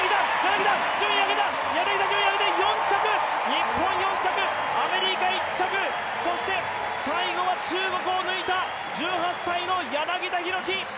日本４着、アメリカ１着、そして最後は中国を抜いた、１８歳の柳田大輝。